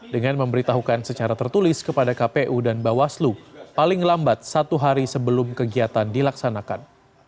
dengan memberitahukan secara tertulis kepada kpu dan bawaslu paling lambat satu hari sebelum kegiatan dilaksanakan